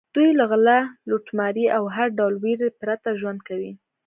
دوی له غلا، لوټمارۍ او هر ډول وېرې پرته ژوند کوي.